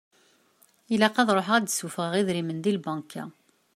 Ilaq ad ṛuḥeɣ ad d-suffɣeɣ idrimen di lbanka.